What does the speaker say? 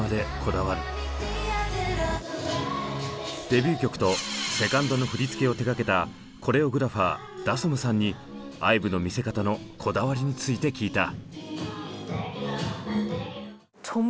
デビュー曲とセカンドの振り付けを手がけたコレオグラファーダソムさんにＩＶＥの見せ方のこだわりについて聞いた。